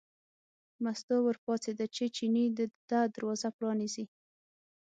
مستو ور پاڅېده چې چیني ته دروازه پرانیزي.